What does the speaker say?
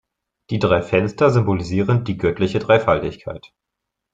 Die drei Fenster symbolisieren die göttliche Dreifaltigkeit.